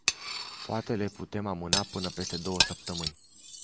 Poate le putem amâna până peste două săptămâni.